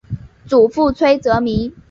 祖父崔则明。